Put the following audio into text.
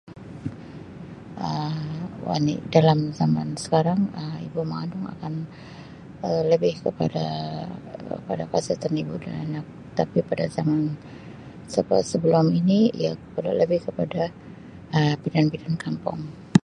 Um Wani Um dalam zaman sekarang Um ibu mengandung akan Um lebih kepada [unintelligible] ibu dan anak tapi pada zaman [unintelligible] sebelum ini [unintelligible] lebih kepada Um bidan-bidan kampung.